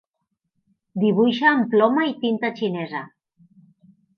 Dibuixa amb ploma i tinta xinesa.